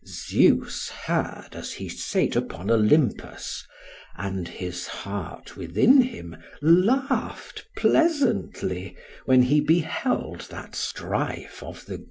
Zeus heard as he sate upon Olympus, and his heart within him laughed pleasantly when he beheld that strife of the gods."